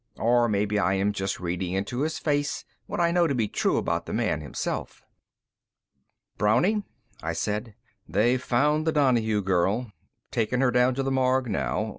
Or maybe I am just reading into his face what I know to be true about the man himself. "Brownie," I said, "they've found the Donahue girl. Taking her down to the morgue now.